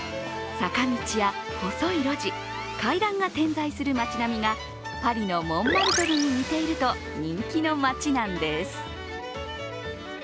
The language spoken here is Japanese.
坂道や細い路地、階段が点在する町並みがパリのモンマルトルに似ていると人気の街なんです。